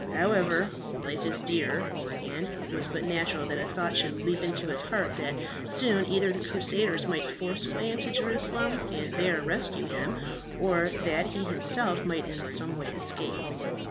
However, life is dear, and it was but natural that a thought should leap into his heart that soon either the crusaders might force a way into Jerusalem and there rescue him, or that he himself might in some way escape.